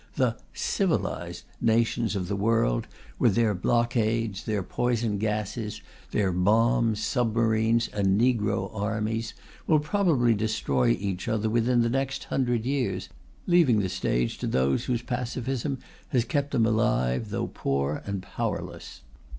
The "civilized" nations of the world, with their blockades, their poison gases, their bombs, submarines, and negro armies, will probably destroy each other within the next hundred years, leaving the stage to those whose pacifism has kept them alive, though poor and powerless.